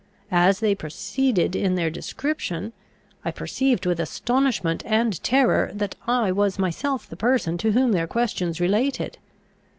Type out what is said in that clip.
As they proceeded in their description, I perceived, with astonishment and terror, that I was myself the person to whom their questions related.